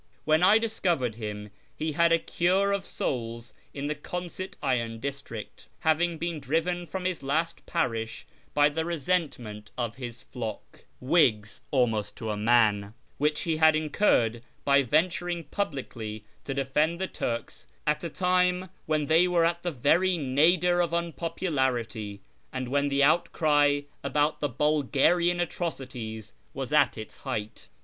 When I discovered him, he had a cure of souls in the Consett iron district, having been driven from his last parish by the resentment of his flock (Whigs, almost to a man), which he had incurred by venturing publicly to defend the Turks at a time when they were at the very nadir of unpopularity, and when the outcry about the " Bulgarian atrocities " was at its height.